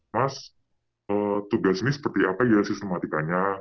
mas tugas ini seperti apa ya sistematikanya